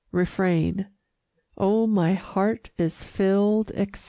Refrain Oh, my heart is filled, etc.